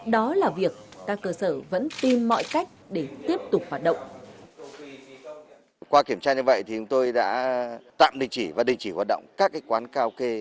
đó là việc các cơ sở vẫn tin mọi người